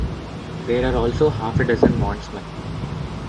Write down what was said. There are also half a dozen wandsmen.